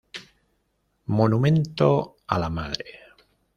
Monumento a la madre.